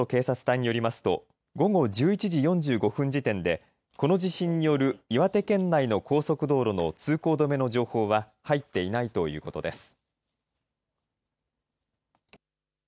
警察隊によりますと午後１１時４５分時点でこの地震による岩手県内の高速道路の通行止めの情報は入っていないということです。